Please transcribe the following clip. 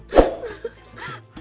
terima kasih ya allah